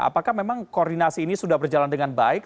apakah memang koordinasi ini sudah berjalan dengan baik